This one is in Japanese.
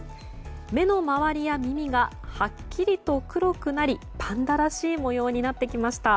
目の周りや耳がはっきりと黒くなりパンダらしい模様になってきました。